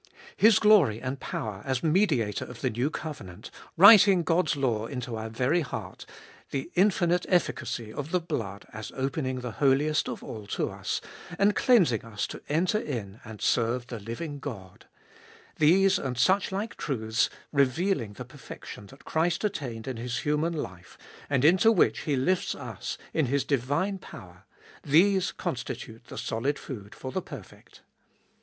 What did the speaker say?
His glory and power as med iator of the new covenant, writing God's law into our very heart, the infinite efficacy of the blood as opening the Holiest of All to us, and cleansing us to enter in and serve the living God, — these and such like truths, revealing the perfection that Christ attained in His human life, and into which He lifts us in His divine power, these constitute the solid food for the perfect.